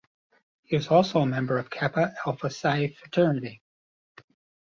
He is also a member of Kappa Alpha Psi fraternity.